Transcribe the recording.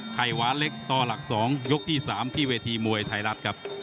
ไข่หวานเล็กต่อหลัก๒ยกที่๓ที่เวทีมวยไทยรัฐครับ